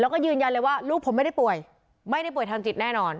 แล้วก็ยืนยันเลยว่าลูกผมไม่ได้ป่วยไม่ได้ป่วยทางจิตแน่นอน